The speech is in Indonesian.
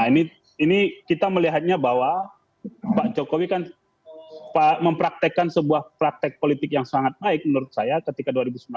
nah ini kita melihatnya bahwa pak jokowi kan mempraktekkan sebuah praktek politik yang sangat baik menurut saya ketika dua ribu sembilan belas